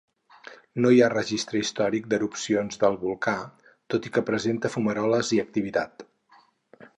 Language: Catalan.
No hi ha registre històric d'erupcions del volcà, tot i que presenta fumaroles i activitat.